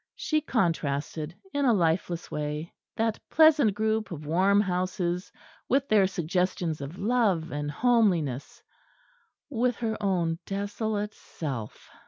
She contrasted in a lifeless way that pleasant group of warm houses with their suggestions of love and homeliness with her own desolate self.